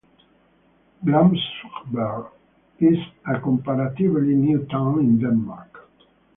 Glamsbjerg is a comparatively new town in Denmark.